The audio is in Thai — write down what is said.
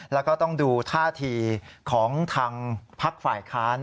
แล้วก็ต้องดูท่าทีของทางพักฝ่ายค้าน